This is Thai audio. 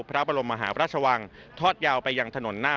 พระบรมมหาพระชวังทอดยาวไปยัง